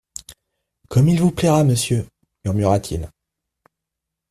Comme il vous plaira, monsieur, murmura-t-il.